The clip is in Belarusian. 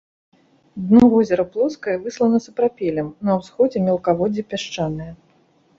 Дно возера плоскае, выслана сапрапелем, на ўсходзе мелкаводдзе пясчанае.